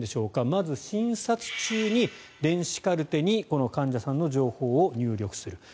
まず、診察中に電子カルテに患者さんの情報を入力する。